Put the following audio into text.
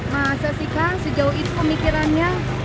masa sih kan sejauh itu pemikirannya